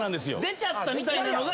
出ちゃったみたいなのが。